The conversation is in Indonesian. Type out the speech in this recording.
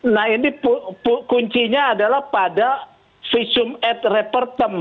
nah ini kuncinya adalah pada visum at repertem